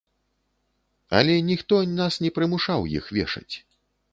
Але ніхто нас не прымушаў іх вешаць.